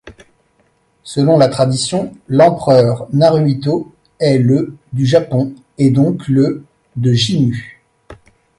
Selon la tradition, l'empereur Naruhito est le du Japon et donc le de Jimmu.